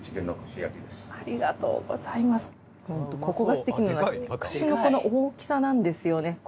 ここがすてきなのは串のこの大きさなんですよね。